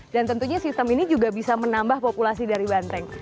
dan tentunya sistem ini juga bisa menambah populasi dari banteng